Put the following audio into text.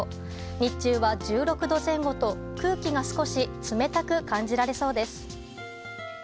日中は１６度前後と、空気が少し冷たく感じられそうです。